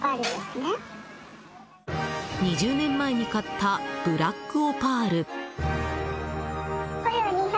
２０年前に買ったブラックオパール。